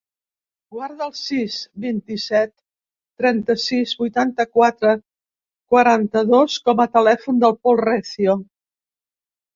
Guarda el sis, vint-i-set, trenta-sis, vuitanta-quatre, quaranta-dos com a telèfon del Pol Recio.